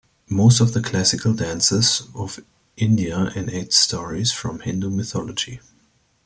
Most of the classical dances of India enact stories from Hindu mythology.